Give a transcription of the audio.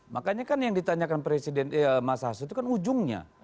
makanya kan yang ditanyakan mas hasut itu kan ujungnya